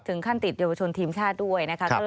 ถึงขั้นติดโยชนทีมชาติด้วยนะครับ